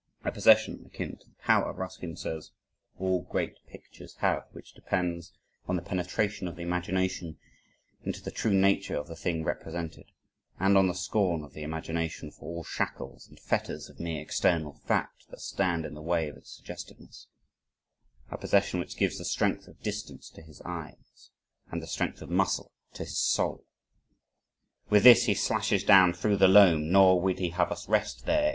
A possession, akin to the power, Ruskin says, all great pictures have, which "depends on the penetration of the imagination into the true nature of the thing represented, and on the scorn of the imagination for all shackles and fetters of mere external fact that stand in the way of its suggestiveness" a possession which gives the strength of distance to his eyes, and the strength of muscle to his soul. With this he slashes down through the loam nor would he have us rest there.